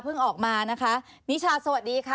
ออกมานะคะนิชาสวัสดีค่ะ